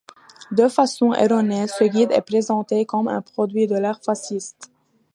De façon erronée, ce guide est présenté comme un produit de l'ère fasciste.